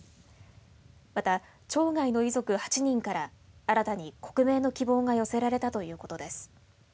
また町外の遺族８人から新たに刻銘の希望が寄せられたということです。